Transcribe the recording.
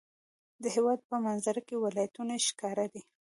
د هېواد په منظره کې ولایتونه ښکاره دي.